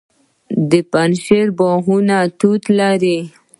د پنجشیر باغونه توت لري.